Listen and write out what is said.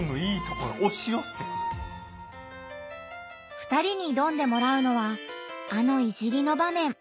２人に挑んでもらうのはあの「いじり」の場面。